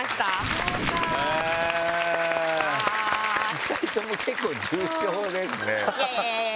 ２人とも結構重症ですね。